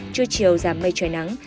chưa chiều giảm mây trời nắng